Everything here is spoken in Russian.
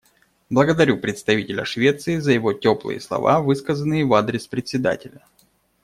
Благодарю представителя Швеции за его теплые слова, высказанные в адрес Председателя.